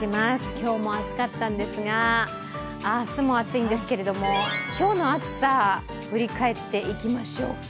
今日も暑かったんですが、明日も暑いんですけれども今日の暑さ、振り返っていきましょうか。